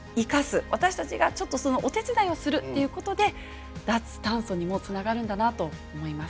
私たちがちょっとそのお手伝いをするっていうことで脱炭素にもつながるんだなと思います。